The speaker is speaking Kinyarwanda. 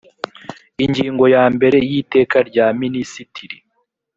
ingingo ya mbere y iteka rya minisitiri